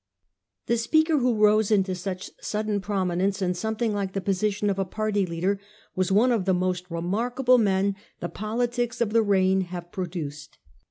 The speaker who rose into such sudden prominence and something like the position of a party leader was one of the most remarkable men the politics of the reign have produced.